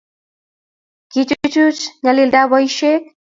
kochuchuch nyalidab boishek